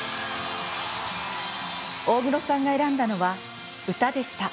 大黒さんが選んだのは、歌でした。